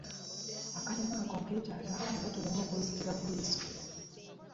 Akalimu ako nkeetaaga era tolema kunzitira ku liiso.